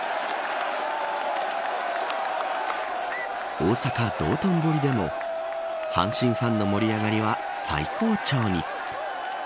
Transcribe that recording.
大阪・道頓堀でも阪神ファンの盛り上がりは最高潮に。